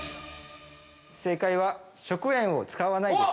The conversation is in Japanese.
◆正解は、食塩を使わないです。